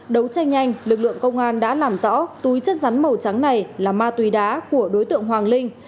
đấu tranh nhanh lực lượng công an đã làm rõ túi chất rắn màu trắng này là ma túy đá của đối tượng hoàng linh